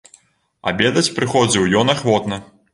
Абедаць прыходзіў ён ахвотна.